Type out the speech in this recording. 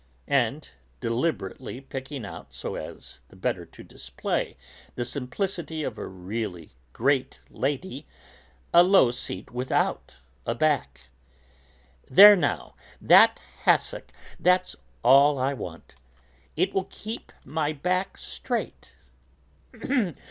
And deliberately picking out, so as the better to display the simplicity of a really great lady, a low seat without a back: "There now, that hassock, that's all I want. It will make me keep my back straight.